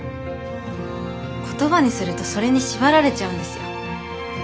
言葉にするとそれに縛られちゃうんですよ。